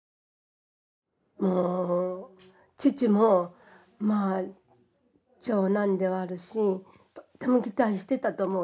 父もまあ長男ではあるしとっても期待してたと思うんです。